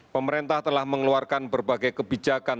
pemerintah telah mengeluarkan berbagai kebijakan